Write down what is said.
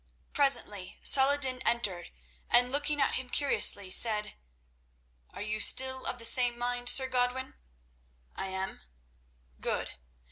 Presently Saladin entered, and, looking at him curiously, said: "Are you still of the same mind, Sir Godwin?" "I am." "Good.